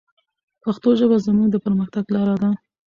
پښتو ژبه زموږ د پرمختګ لاره ده.